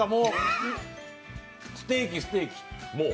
ステーキ、ステーキ。